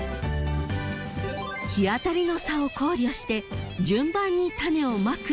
［「日当たりの差を考慮して順番に種をまく」というもの］